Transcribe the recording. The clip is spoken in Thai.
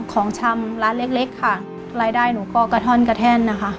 ของชำร้านเล็กค่ะรายได้หนูก็กระท่อนกระแท่นนะคะ